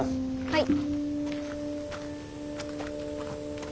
はい。